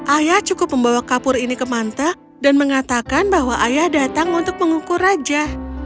ayah cukup membawa kapur ini ke mante dan mengatakan bahwa ayah datang untuk mengukur raja